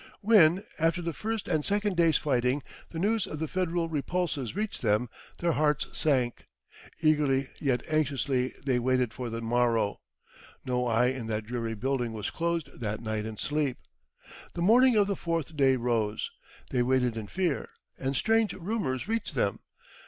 When, after the first and second days' fighting, the news of the Federal repulses reached them, their hearts sank. Eagerly yet anxiously they waited for the morrow. No eye in that dreary building was closed that night in sleep. The morning of the fourth day rose. They waited in fear, and strange rumours reached them.